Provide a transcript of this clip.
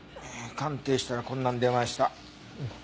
鑑定したらこんなん出ました。